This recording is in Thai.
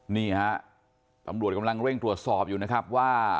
นี่ฮะตำรวจกำลังเร่งตรวจสอบอยู่นะครับว่า